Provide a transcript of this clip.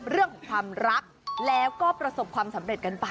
เรื่องของความรักแล้วก็ประสบความสำเร็จกันไป